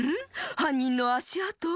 はんにんのあしあと？